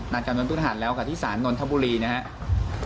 นัดกันวันทุกทหัสแล้วกับที่ศาลนนทบุรีนะครับ